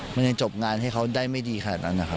มันยังจบงานให้เขาได้ไม่ดีขนาดนั้นนะครับ